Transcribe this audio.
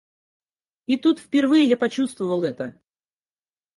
И тут впервые я почувствовал это.